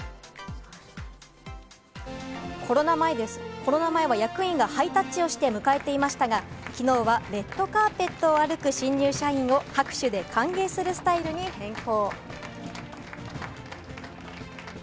コロナ前は役員がハイタッチをして迎えていましたが、昨日はレッドカーペットを歩く新入社員を拍手で歓迎するスタイルに変更。